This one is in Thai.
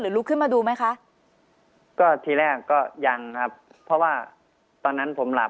ลุกขึ้นมาดูไหมคะก็ทีแรกก็ยังครับเพราะว่าตอนนั้นผมหลับ